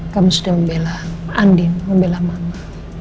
kamu sudah membela andi membela mama